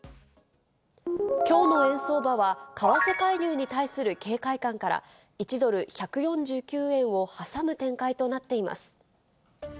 きょうの円相場は、為替介入に対する警戒感から、１ドル１４９円を挟む展開となっています。